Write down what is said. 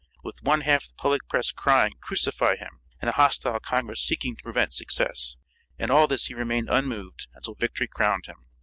With one half the public press crying 'crucify him,' and a hostile Congress seeking to prevent success, in all this he remained unmoved until victory crowned him.